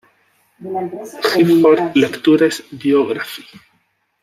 Gifford Lectures biography